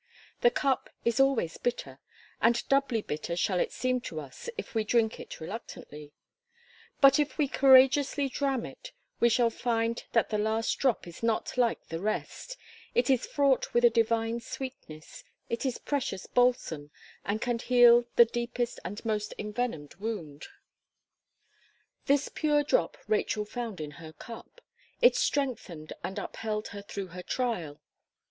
The cup is always bitter and doubly bitter shall it seem to us, if we drink it reluctantly; but if we courageously dram it, we shall find that the last drop is not like the rest It is fraught with a Divine sweetness it is a precious balsam, and can heal the deepest and most envenomed wound. This pure drop Rachel found in her cup. It strengthened and upheld her through her trial.